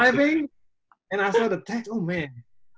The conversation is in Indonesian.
saya bergerak dan saya melihat oh tuhan